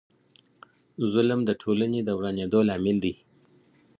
ظلم د ټولني د ورانیدو لامل دی.